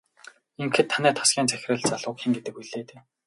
Ингэхэд танай тасгийн захирал залууг хэн гэдэг гэлээ дээ?